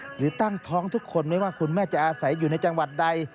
หรือตั้งท้องทุกคนไม่ว่าคุณแม่จะอาศัยอยู่ในจังหวัดใด